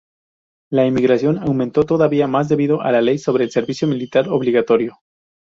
La emigración aumentó todavía más debido a la ley sobre el servicio militar obligatorio.